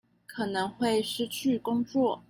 可能會失去工作